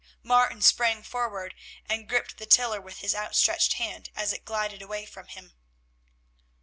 Martin sprang forward and gripped the tiller with his outstretched hand as it glided away from him.